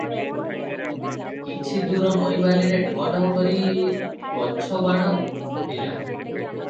କିଛି ଦୁର ନଈବାଲିରେ ଢୋ ଢୋ କରି ଗଛ ବାଣ ଫୁଟିଲା ।